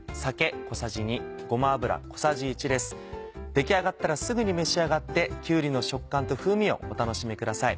出来上がったらすぐに召し上がってきゅうりの食感と風味をお楽しみください。